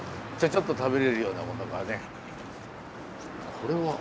これは。